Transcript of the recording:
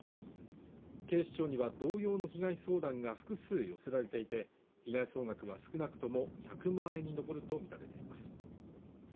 警視庁には同様の被害相談が複数寄せられていて被害総額は少なくとも１００万円に上るとみられています